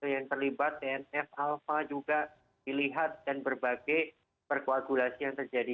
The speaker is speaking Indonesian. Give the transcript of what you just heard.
yang terlibat tnf alfa juga dilihat dan berbagai perkoagulasi yang terjadi